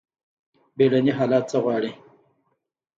بیړني حالات څه غواړي؟